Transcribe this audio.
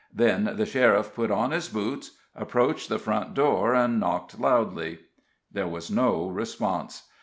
Then the sheriff put on his boots, approached the front door, and knocked loudly. There was no response.